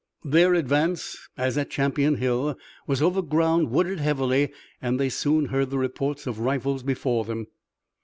Their advance, as at Champion Hill, was over ground wooded heavily and they soon heard the reports of the rifles before them.